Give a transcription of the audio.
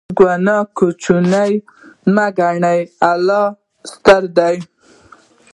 ګناه کوچنۍ مه ګڼئ، الله ستر دی.